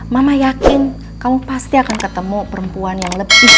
mama yakin kamu pasti akan ketemu perempuan yang lebih